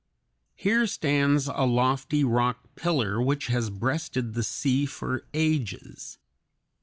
Here stands a lofty rock pillar which has breasted the sea for ages.